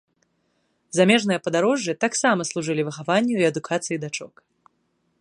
Замежныя падарожжы таксама служылі выхаванню і адукацыі дачок.